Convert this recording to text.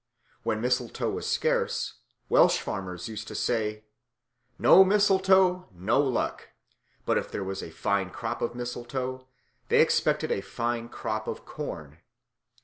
When mistletoe was scarce, Welsh farmers used to say, "No mistletoe, no luck"; but if there was a fine crop of mistletoe, they expected a fine crop of corn.